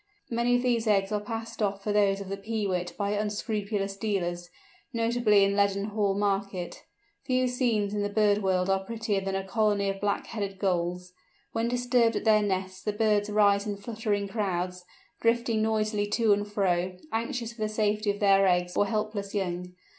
Many of these eggs are passed off for those of the Peewit by unscrupulous dealers, notably in Leadenhall market. Few scenes in the bird world are prettier than a colony of Black headed Gulls. When disturbed at their nests the birds rise in fluttering crowds, drifting noisily to and fro, anxious for the safety of their eggs or helpless young.